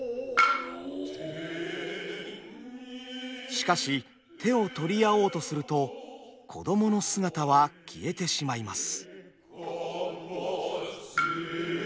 しかし手を取り合おうとすると子どもの姿は消えてしまいます。